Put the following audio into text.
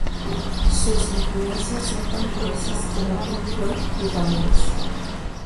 Sus influencias son tan diversas como Pink Floyd y Ramones.